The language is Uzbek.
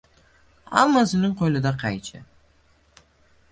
Ҳаммасининг қўлида қайчи